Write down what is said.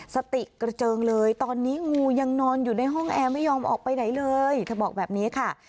สติกระเจิงเลยตอนนี้งูยังนอนอยู่ในห้องแอร์ไม่ยอมออกไปไหนเลยเธอบอกแบบนี้ค่ะ